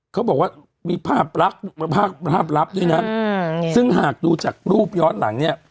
เขาบอกว่ามีภาพลักษณ์ภาพภาพลับด้วยนะซึ่งหากดูจากรูปย้อนหลังเนี่ย